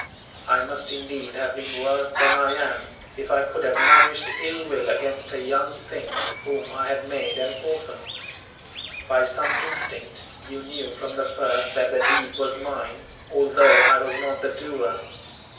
I must indeed have been worse than I am, if I could have nourished ill will against a young thing, whom I had made an orphan. By some instinct, you knew from the first that the deed was mine, although I was not the doer.